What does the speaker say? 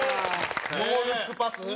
ノールックパス。